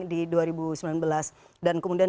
di dua ribu sembilan belas dan kemudian